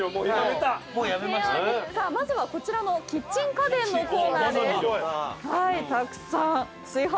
さあまずはこちらのキッチン家電のコーナーです。